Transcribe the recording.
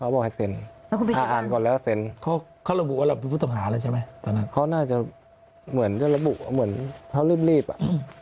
บอกให้เซ็นให้อ่านก่อนแล้วเซ็นเขาระบุว่าเราเป็นผู้ต้องหาแล้วใช่ไหมตอนนั้นเขาน่าจะเหมือนจะระบุเหมือนเขารีบอ่ะ